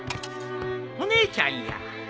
お姉ちゃんや。